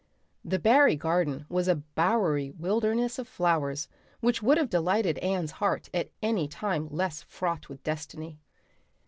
The Barry garden was a bowery wilderness of flowers which would have delighted Anne's heart at any time less fraught with destiny.